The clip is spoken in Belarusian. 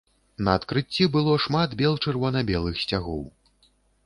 На адкрыцці было шмат бел-чырвона-белых сцягоў.